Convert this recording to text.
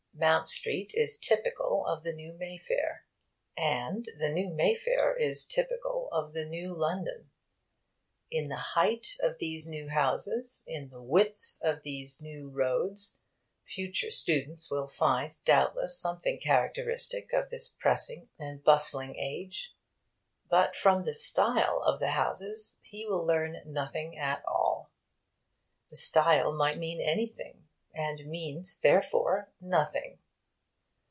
Mount Street is typical of the new Mayfair. And the new Mayfair is typical of the new London. In the height of these new houses, in the width of these new roads, future students will find, doubtless, something characteristic of this pressing and bustling age. But from the style of the houses he will learn nothing at all. The style might mean anything; and means, therefore, nothing.